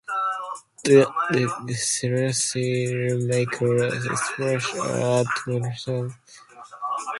The Brighton series sees Marker establish a platonic friendship with Mrs Mortimer.